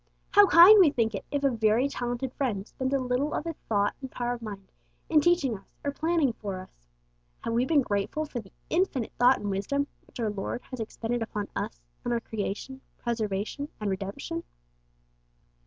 How kind we think it if a very talented friend spends a little of his thought and power of mind in teaching us or planning for us! Have we been grateful for the infinite thought and wisdom which our Lord has expended upon us and our creation, preservation, and redemption?